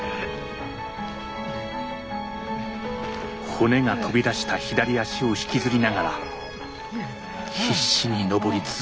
骨が飛び出した左足を引きずりながら必死に登り続けた。